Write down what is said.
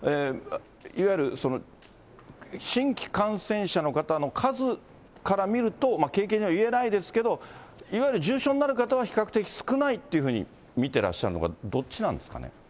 いわゆる新規感染者の方の数から見ると、軽々には言えないですけれども、いわゆる重症になる方は比較的少ないっていうふうに見てらっしゃるのか、どっちなんですかね。